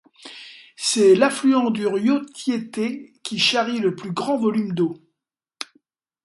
C'est l'affluent du Rio Tietê qui charrie le plus grand volume d'eau.